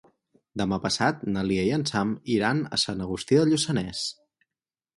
Demà passat na Lia i en Sam iran a Sant Agustí de Lluçanès.